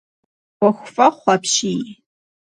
Ӏуэху фӏэхъу апщий.